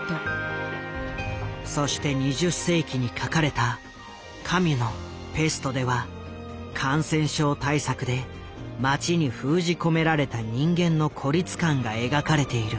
そして２０世紀に書かれたカミュの「ペスト」では感染症対策で街に封じ込められた人間の孤立感が描かれている。